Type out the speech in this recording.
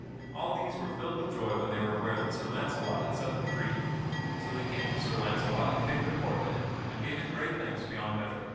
All these were filled with joy when they were aware that Sir Launcelot had set them free. So they came to Sir Launcelot and paid their court to him and gave him great thanks beyond measure.